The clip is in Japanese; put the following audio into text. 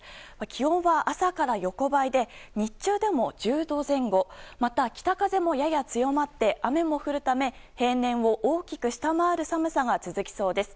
気温は朝から横ばいで日中でも１０度前後また北風もやや強まって雨も降るため平年を大きく下回る寒さが続きそうです。